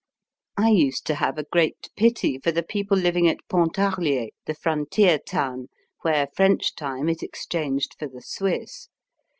149 I used to have a great pity for the people living at Pontarlier, the frontier town, where French time is exchanged for the Swiss.